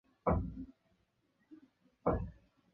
剧院经常演奏很少被上演的法国歌剧和轻歌剧。